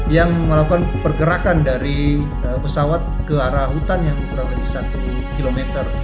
yang melakukan pergerakan dari pesawat ke arah hutan yang kurang lebih satu km